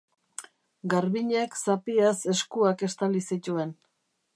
Garbiñek zapiaz eskuak estali zituen.